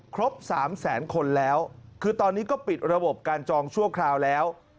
ครบ๓แสนคนแล้วคือตอนนี้ก็ปิดระบบการจองชั่วคราวแล้ว